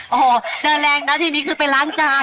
โอ้โหเดินแรงนะทีนี้คือไปล้างจาน